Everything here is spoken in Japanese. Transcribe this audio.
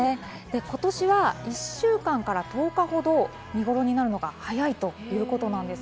今年は１週間から１０日ほど見頃になるのが早いということです。